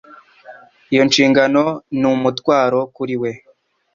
Iyo nshingano ni umutwaro kuri we